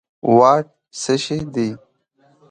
واټ څه شی دي